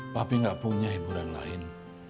tapi nggak punya hiburan lain